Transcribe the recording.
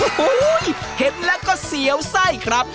โอ้โหเห็นแล้วก็เสียวไส้ครับ